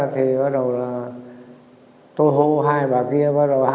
thế là tôi quật